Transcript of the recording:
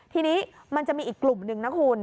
ทีนี้มันจะมีอีกกลุ่มนึงนะคุณ